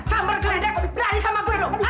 samber geledek berani sama gue lo